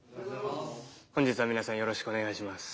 本日は皆さんよろしくお願いします。